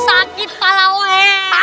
sakit pak lawet